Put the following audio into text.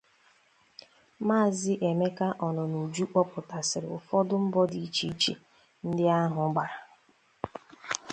Maazị Emeka Ononuju kpọpụtasịrị ụfọdụ mbọ dị iche iche ndị ahụ gbara